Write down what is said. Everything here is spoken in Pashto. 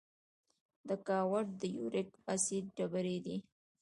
د ګاؤټ د یوریک اسید ډبرې دي.